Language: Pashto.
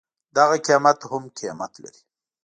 دغه قيمت هم قيمت لري.